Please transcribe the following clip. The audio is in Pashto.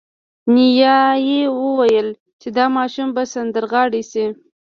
نیا یې وویل چې دا ماشوم به سندرغاړی شي